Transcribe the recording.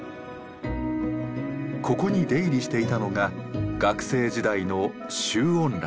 ここに出入りしていたのが学生時代の周恩来。